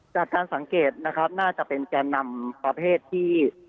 จากการสังเกตนะครับน่าจะเป็นแกนนำประเภทที่